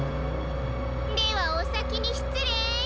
ではおさきにしつれい。